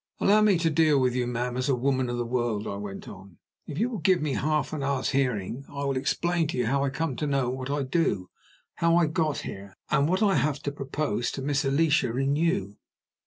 "Allow me to deal with you, ma'am, as a woman of the world," I went on. "If you will give me half an hour's hearing, I will explain to you how I come to know what I do; how I got here; and what I have to propose to Miss Alicia and to you."